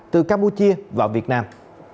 từ campuchia vào việt nam